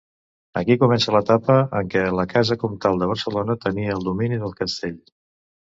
Aquí comença l'etapa en què la casa comtal de Barcelona tenia el domini del castell.